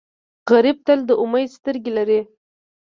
غریب تل د امید سترګې لري